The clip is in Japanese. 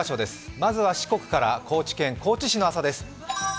まずは四国から、高知県高知市の朝です。